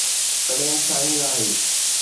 تڏهن شاهين آهي.